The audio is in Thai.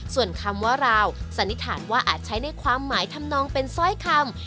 ส่วนคำว่าราวสันนิษฐานว่าอาจใช้ในความหมายทำนองเป็นสร้อยคำ